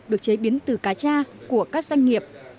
được chế biến từ cá cha của các doanh nghiệp